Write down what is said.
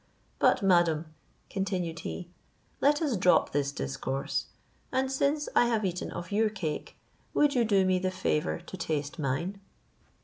But, madam," continued he, "let us drop this discourse; and since I have eaten of your cake, would you do me the favour to taste mine?"